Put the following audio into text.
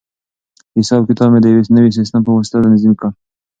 حساب کتاب مې د یوې نوې سیسټم په واسطه تنظیم کړ.